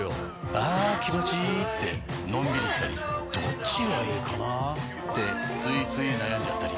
あ気持ちいいってのんびりしたりどっちがいいかなってついつい悩んじゃったり。